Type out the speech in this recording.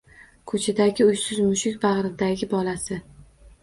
Ko’chadagi uysiz mushuk bag’ridagi bolasi